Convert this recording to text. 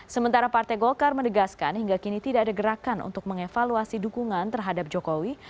sementara partai golkar mendegaskan hingga kini tidak ada gerakan untuk mengevaluasi dukungan terhadap jokowi